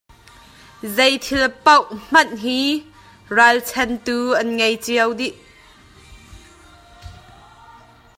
Zei thil paoh hmanh hi ralchanhtu an ngei dih cio.